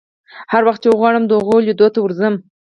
هر وخت چې وغواړم د هغو لیدو ته ورځم.